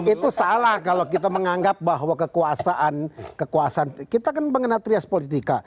itu salah kalau kita menganggap bahwa kekuasaan kekuasaan kita kan mengenal trias politika